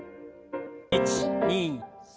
１２３